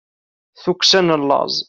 tukksa n laẓ